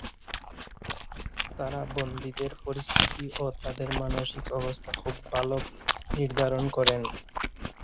তারা বন্দীদের পরিস্থিতি ও তাদের মানসিক অবস্থা খুব ভালো নির্ধারণ করেন।